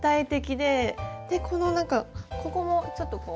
でこのなんかここもちょっとこう。